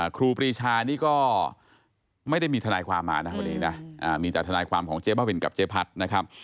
ครูปรีชานี่ก็ไม่ได้มีทนายความมานะวันนี้นะมีแต่ทนายความของเจ๊บ้าบินกับเจ๊พัดนะครับ